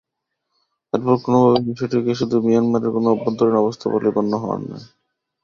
এরপর কোনোভাবেই বিষয়টিকে শুধু মিয়ানমারের কোনো অভ্যন্তরীণ অবস্থা বলেই গণ্য হওয়ার নয়।